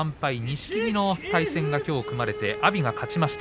錦木の対戦がきょう組まれて阿炎が勝ちました。